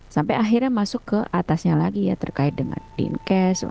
sampai akhirnya masuk ke atasnya lagi ya terkait dengan dinkes